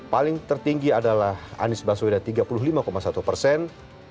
paling tertinggi adalah anies baswedan tiga puluh lima satu persen